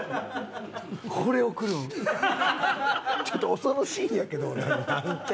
ちょっと恐ろしいんやけど俺。